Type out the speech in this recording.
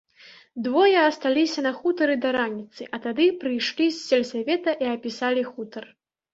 Двое асталіся на хутары да раніцы, а тады прыйшлі з сельсавета і апісалі хутар.